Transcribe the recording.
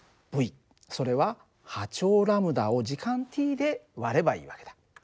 それは波長λを時間Ｔで割ればいい訳だ。